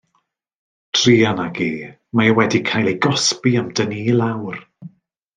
Druan ag e, mae e wedi cael ei gosbi am dynnu i lawr.